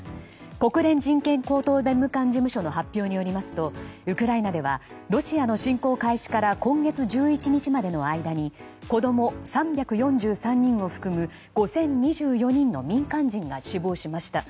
国連人権高等弁務官事務所の発表によりますとウクライナではロシアの侵攻開始から今月１１日までの間に子供３４３人を含む５０２４人の民間人が死亡しました。